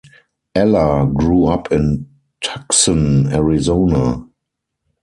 Eller grew up in Tucson, Arizona.